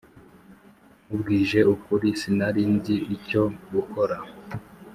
nkubwije ukuri, sinari nzi icyo gukora.